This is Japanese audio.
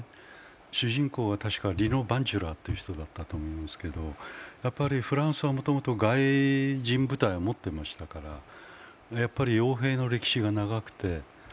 主人公がたしかリノ・バンチュラーという人だったと思いますけど、フランスはもともと外人部隊を持ってましたから、やっぱり、よう兵の歴史が長くて。